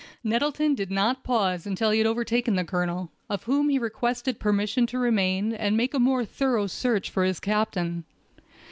Nettleton did not pause until he had overtaken the colonel, of whom he requested permission to remain and make a more thorough search for his captain.